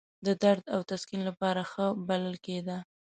د درد او تسکین لپاره ښه بلل کېده.